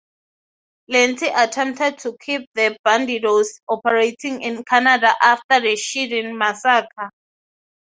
Lenti attempted to keep the Bandidos operating in Canada after the Shedden massacre.